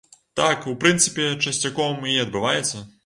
Так, у прынцыпе, часцяком і адбываецца.